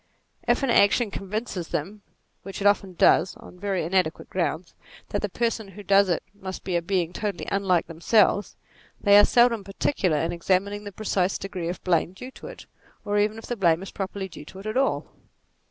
If an action convinces them (which it oftens does on very inadequate 64 NATURE grounds) that the person who does it must be a being totally unlike themselves, they are seldom particular in examining the precise degree of blame due to it, or even if blame is properly due to it at all.